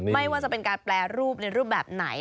ไม่ว่าจะเป็นการแปรรูปในรูปแบบไหน